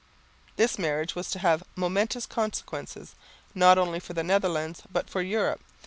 This marriage was to have momentous consequences, not only for the Netherlands, but for Europe.